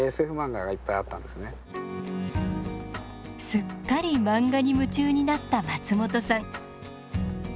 すっかり漫画に夢中になった松本さん。